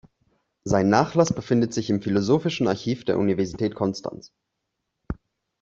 Sein Nachlass befindet sich im Philosophischen Archiv der Universität Konstanz.